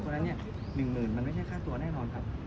พวกนั้นนี่๑๐๐๐๐บาทมันไม่ใช่ค่าตัวแน่นอนครับ